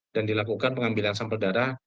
dan dilakukan pengambilan sampel darah